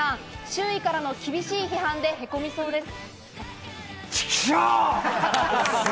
周囲からの厳しい批判でへこみそうです。